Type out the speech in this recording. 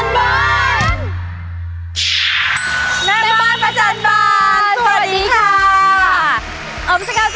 แม่บ้านพจลบอน